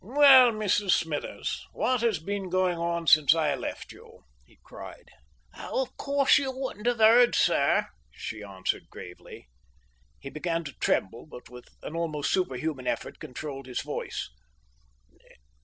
"Well, Mrs Smithers, what has been going on since I left you?" he cried. "Of course you wouldn't have heard, sir," she answered gravely. He began to tremble, but with an almost superhuman effort controlled his voice.